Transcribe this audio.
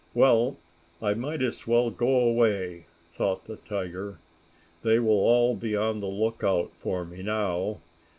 "Well, I might as well go away," thought the tiger. "They will all be on the lookout for me now.